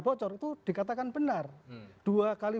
bocor itu dikatakan benar dua kali